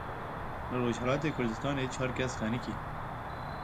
Li Rojhilatê Kurdistanê çar kes xeniqîn.